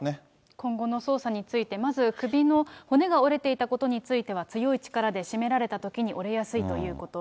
今後の捜査について、まず、首の骨が折れていたことについては、強い力で絞められたときに折れやすいということ。